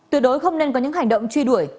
tuyệt đối không nên có những hành động truy đuổi